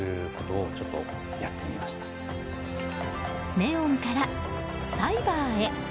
ネオンからサイバーへ。